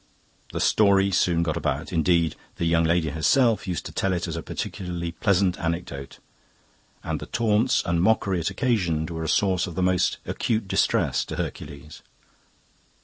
The story soon got about indeed, the young lady herself used to tell it as a particularly pleasant anecdote and the taunts and mockery it occasioned were a source of the most acute distress to Hercules.